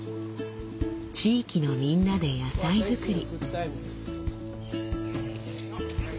地域のみんなで野菜作り。